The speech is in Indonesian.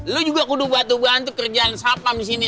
lu juga kudu bantu bantu kerjaan sapam disini